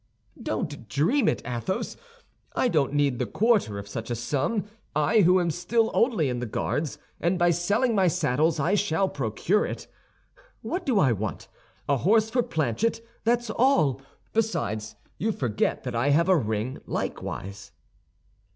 "Don't dream it, Athos. I don't need the quarter of such a sum—I who am still only in the Guards—and by selling my saddles, I shall procure it. What do I want? A horse for Planchet, that's all. Besides, you forget that I have a ring likewise."